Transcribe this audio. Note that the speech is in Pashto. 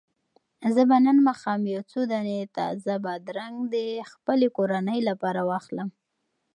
زه به نن ماښام یو څو دانې تازه بادرنګ د خپلې کورنۍ لپاره واخلم.